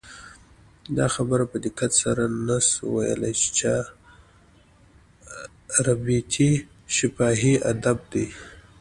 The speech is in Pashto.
دا خبره په دقت سره نه سو ویلي، چي چاربیتې شفاهي ادب دئ.